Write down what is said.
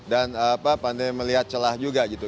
dan pandai melihat celah juga gitu